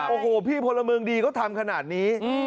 โอ้โหพี่พลเมืองดีเขาทำขนาดนี้